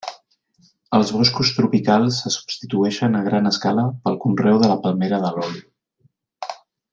Els boscos tropicals se substitueixen a gran escala pel conreu de la palmera de l'oli.